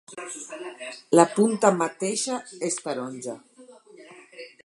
La punta mateixa és taronja.